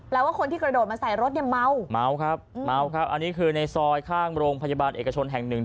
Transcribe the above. แล้วคนที่กระโดดมาใส่รถเนี่ยเมาอันนี้คือในซอยข้างโรงพยาบาลเอกชนแห่งหนึ่ง